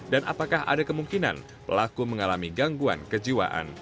dan apakah ada kemungkinan pelaku mengalami gangguan kejiwaan